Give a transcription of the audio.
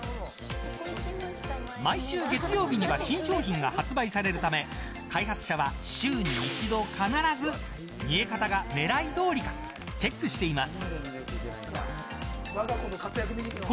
毎週月曜日には新商品が発売されるため開発者は週に一度必ず、見え方が狙いどおりかチェックしています。